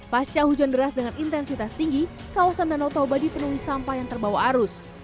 pasca hujan deras dengan intensitas tinggi kawasan danau toba dipenuhi sampah yang terbawa arus